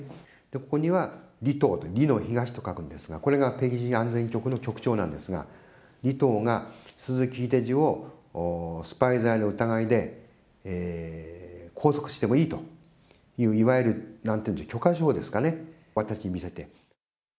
ここには、李東、李の東と書くんですが、これが北京安全局の局長なんですが、李東が、鈴木英司をスパイ罪の疑いで拘束してもいいという、いわゆるなんて言うんでしょう、許可証ですね、私に見せて。